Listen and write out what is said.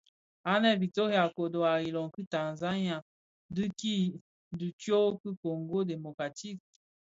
Anë a Victoria kodo a iloň ki Tanzania dhi bi tsog ki a Kongo Democratique.